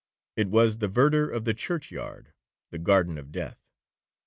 It was the verdure of the church yard, the garden of death.